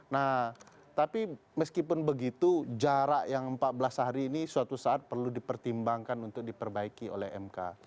nah tapi meskipun begitu jarak yang empat belas hari ini suatu saat perlu dipertimbangkan untuk diperbaiki oleh mk